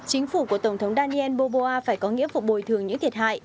chính phủ của tổng thống daniel boboa phải có nghĩa phục bồi thường những thiệt hại